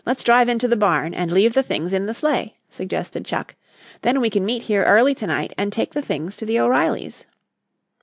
] "Let's drive into the barn and leave the things in the sleigh," suggested Chuck; "then we can meet here early tonight and take the things to the O'Reillys."